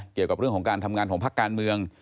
เกี่ยวกับเรื่องของการทำงานของพักการเมือง